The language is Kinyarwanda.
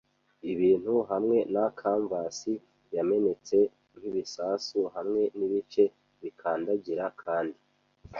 ibintu, hamwe na canvas yamenetse nkibisasu hamwe nibice bikandagira kandi